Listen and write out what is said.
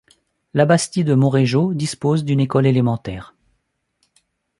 Labastide-Monréjeau dispose d'une école élémentaire.